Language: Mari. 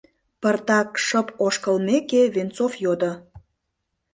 Пыртак шып ошкылмеке, Венцов йодо: